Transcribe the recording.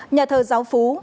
nhà thờ giáo phú